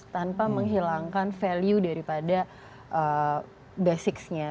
tanpa menghilangkan value daripada basicsnya